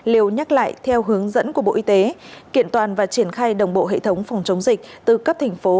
liều nhắc lại theo hướng dẫn của bộ y tế kiện toàn và triển khai đồng bộ hệ thống phòng chống dịch từ cấp thành phố